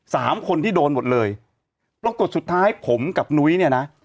สามคนที่โดนหมดเลยปรากฏสุดท้ายผมกับนุ้ยเนี่ยนะ